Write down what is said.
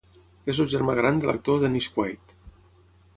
És el germà gran de l'actor Dennis Quaid.